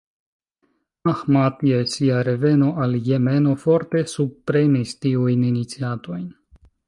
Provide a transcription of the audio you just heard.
Ahmad je sia reveno al Jemeno forte subpremis tiujn iniciatojn.